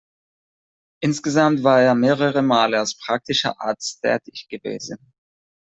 Insgesamt war er mehrere Male als praktischer Arzt tätig gewesen.